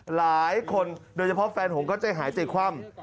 หลายคนโดยเฉพาะแฟนผมก็ใจหายใจคว่ำ